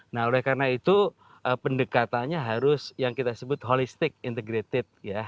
nah oleh karena itu pendekatannya harus yang kita sebut holistic integrated ya